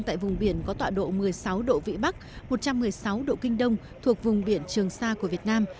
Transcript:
tại vùng biển có tọa độ một mươi sáu độ vĩ bắc một trăm một mươi sáu độ kinh đông thuộc vùng biển trường sa của việt nam